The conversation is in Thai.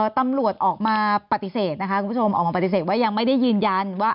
ตำรวจออกมาปฏิเสธนะคะคุณผู้ชมออกมาปฏิเสธว่ายังไม่ได้ยืนยันว่า